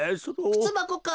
くつばこか？